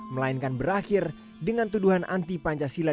melainkan berakhir dengan tuduhan anti pancasila di dalam